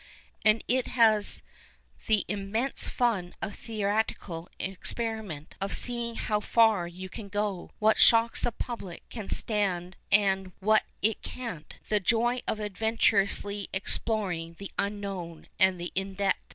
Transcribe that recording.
And it has the immense fun of theatrical experiment, of seeing how far you can go, what shocks the jiublie can stand and what it can't, the joy of adventurously explor ing the unknown and the inhlit.